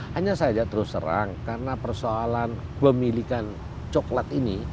hanya saja terus terang karena persoalan pemilikan coklat ini